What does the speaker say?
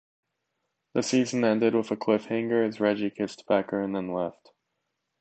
The season ended with a cliffhanger as Reggie kissed Becker and then left.